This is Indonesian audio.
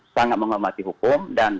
sangat menghormati hukum dan